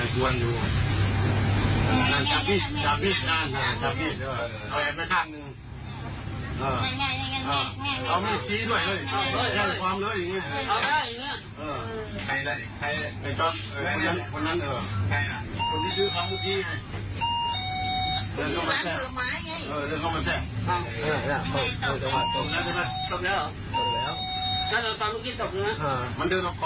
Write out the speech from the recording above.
คลิปรับมาแล้ว